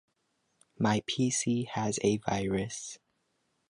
My PC has a virus.